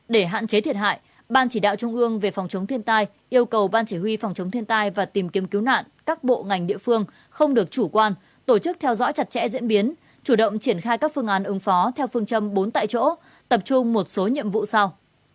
để hạn chế thiệt hại ban chỉ đạo trung ương về phòng chống thiên tai yêu cầu ban chỉ huy phòng chống thiên tai và tìm kiếm cứu nạn các bộ ngành địa phương không được chủ quan tổ chức theo dõi chặt chẽ diễn biến chủ động triển khai các phương án ứng phó theo phương châm bốn tại chỗ tập trung một số nhiệm vụ sau